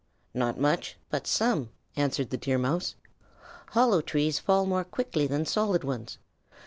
"Not much, but some," answered the Deer Mouse. "Hollow trees fall more quickly than solid ones.